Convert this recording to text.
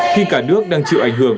khi cả nước đang chịu ảnh hưởng